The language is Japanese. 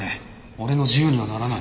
俺の自由にはならない。